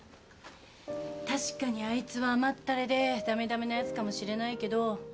確かにあいつは甘ったれで駄目駄目なやつかもしれないけど。